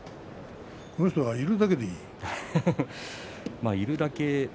この人は、いるだけでいい。